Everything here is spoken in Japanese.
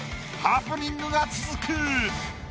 ハプニングが続く。